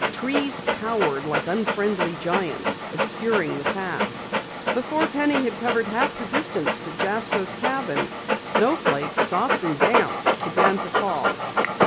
Trees towered like unfriendly giants, obscuring the path. Before Penny had covered half the distance to Jasko's cabin, snowflakes, soft and damp, began to fall.